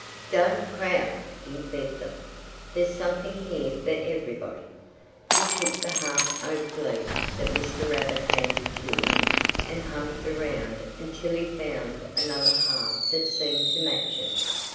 "Don't crowd!" he begged them. "There's something here for everybody." He took the half oak leaf that Mr. Rabbit handed to him and hunted around until he found another half that seemed to match it.